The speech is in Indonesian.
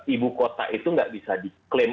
ibu kota itu nggak bisa diklaim